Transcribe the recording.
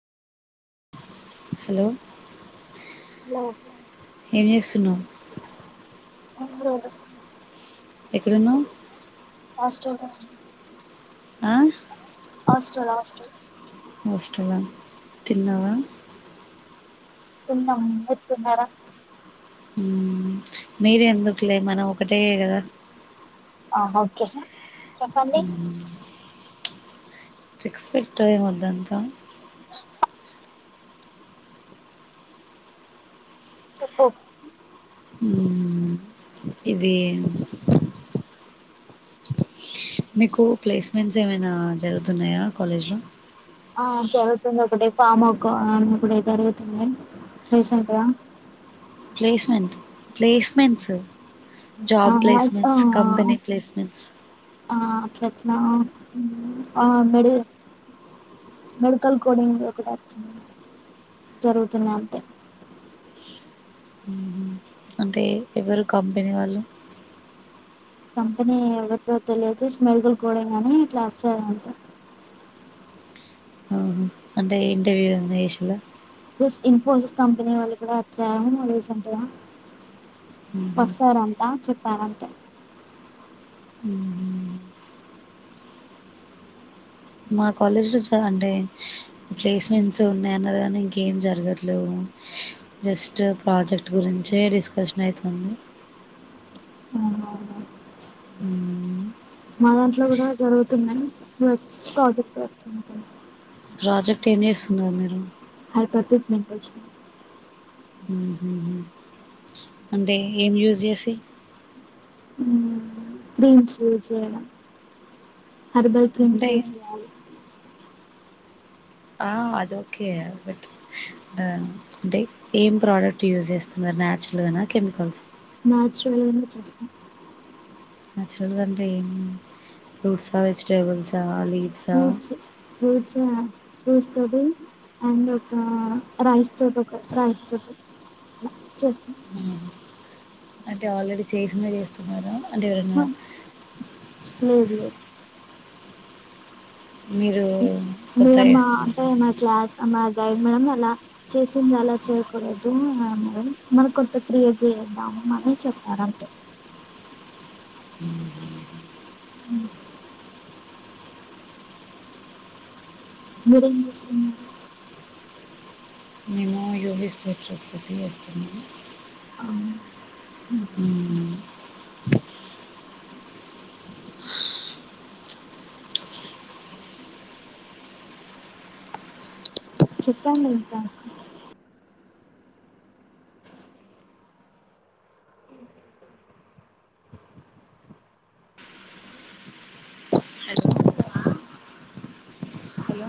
Hello ఏం చేస్తున్నావు ఏం లేదు ఎక్కడున్నావు హాస్టలో ఉన్న ఆ హస్టల్ హస్టల్ హాస్టలా తిన్నావా తిన్నాం మీరు తిన్నారా హ్మ్ మీరు ఎందుకు లే మనం ఒకటే కదా ఆ ఓకే చెప్పండి హ్మ్ రెక్స్పెక్ట్ ఏం వద్దంతా చెప్పు హ్మ్మ్ ఇది మీకు ప్లేస్మెంట్స్ ఏమైనా జరుగుతు జరుగుతున్నాయా కాలేజ్ లో ఆ జరుగుతుంది ఒకటి పామోక అని కూడా జరుగుతునై రీసెంట్ గా ప్లేస్మెంట్ ప్లేస్మెంట్స్ ఆ జాబ్ ఆ ప్లేస్మెంట్స్ కంపెనీ ప్లేస్మెంట్స్ ఆ అట్లా వచ్చినవా ఉమ్ ఆ మెడి మెడికల్ కోడింగ్డి ఒకటి ఒచ్చింది, జరుగుతున్నాయ్ అంతే మ్మ్. అంటే ఎవరు కంపెనీ వాళ్ళు కంపెనీ ఎవరో తెలియదు సెల్మి కోడింగ్ గాని ఇట్లా అచ్యఅంట. ఆహా. అంటే ఇంటర్వ్యూ ఉంది ఎష్లో ఎస్ ఇన్ఫోసిస్ కంపెనీ వాళ్ళు కూడా వచ్చారు రీసెంట్ గా మ్మ్. వస్తారంట చేపరంట. మ్మ్. మా కాలేజ్ లో చ అంటే ప్లేస్మెంట్స్ ఉన్నాయ్ అన్నారు కానీ ఇంకేం జరగట్లేవు. జస్ట్ ప్రాజెక్ట్ గురించే డిస్కషన్ అయితుంది. ఆ, ఉమ్ మా దాంట్లో కూడా జరుగుతున్నాయ్ వర్క్ ప్రాజెక్ట్ వర్క్స్ అంతే ప్రాజెక్ట్ ఏం చేస్తున్నారు మీరు? [unintelligible] మెంటర్షిప్ ఉహ్ ఉమ్ అంటే ఏం యూజ్ చేసి? ఉమ్ గ్రీన్ వే చేయడం. హర్బల్ క్రీమ్స్ అంటే యూస్ చేయాలి ఆ అదొకే బట్ ఉమ్ అంటే ఏం ప్రొడక్ట్ యూజ్ చేస్తున్నారు నాచురల్ ఏనా కెమికల్స్ నాచురల్గానే చేసాం నేచురల్ గా అంటే ఉమ్ ఫ్రూట్సా వెజిటేబుల్సా ఆ? ఫ్రూట్స్ ఫ్రూట్స్ ఆ ఫ్రూట్స్ తోటి అండ్ ఒక రైస్ తోటి ఒక రైస్ తోటి అట్లా చేస్తాం. హ్మ్. అంటే ఆల్రెడీ చేసిందే చేస్తున్నారా? అంటే వేరుగా లేదు అది మీరు కొత్త లెడ్ మా చేస్తున్నారా అబోనా క్లాస్ అమ్మాయ్ ప్రైమ్ [unintelligible] చేసింది అలా చేయకూడదు అనరు, మనం కొంత క్రియేట్ చేద్దాం అని చెప్పారు అంతే. ఉమ్ మీర్ ఇంగ్లీషులో ఏంటి? యోగిస్ ప్రచస్కటీ చేస్తున అవునా ఉమ్ చెప్పండి ఇంకా అక్క హలో